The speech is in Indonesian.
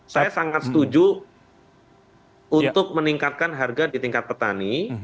saya sangat setuju untuk meningkatkan harga di tingkat petani